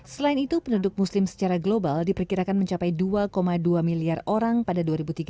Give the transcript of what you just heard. selain itu penduduk muslim secara global diperkirakan mencapai dua dua miliar orang pada dua ribu tiga puluh